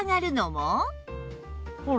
ほら。